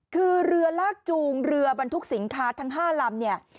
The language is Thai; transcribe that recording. คือเรือลากจูงเรือบรรทุกสินค้าทั้ง๕ลำเนี่ย